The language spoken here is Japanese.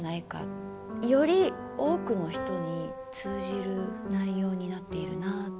より多くの人に通じる内容になっているなあと。